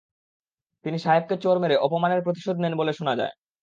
তিনি সাহেবকে চড় মেরে অপমানের প্রতিশোধ নেন বলে শোনা যায়।